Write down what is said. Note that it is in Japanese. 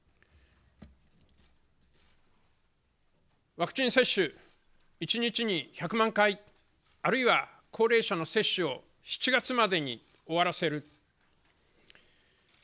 ワクチン接種、一日に１００万回、あるいは高齢者の接種を７月までに終わらせる。